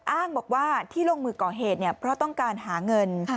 อ้างบอกว่าที่ลงมือก่อเหตุเพราะต้องการหาเงิน